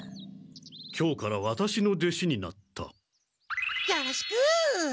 今日からワタシの弟子になった。